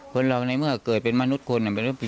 คนเราในเมื่อเกิดเป็นมนุษย์คน